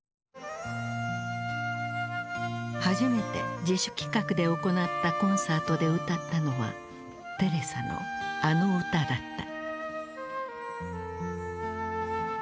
初めて自主企画で行ったコンサートで歌ったのはテレサのあの歌だった。